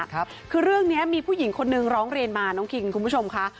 คือเรื่องนี้มีผู้หญิงคนนึงร้องเรียนมาน้องคิงคุณผู้ชมค่ะ